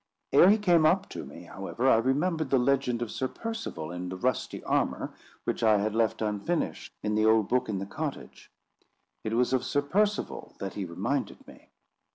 Ere he came up to me, however, I remembered the legend of Sir Percival in the rusty armour, which I had left unfinished in the old book in the cottage: it was of Sir Percival that he reminded me.